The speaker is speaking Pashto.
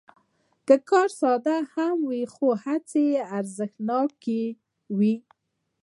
که کار ساده هم وي، خو هڅې یې ارزښتناکوي.